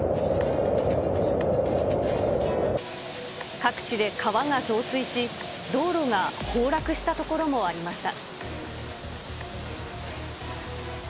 各地で川が増水し、道路が崩落した所もありました。